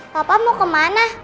papa mau kemana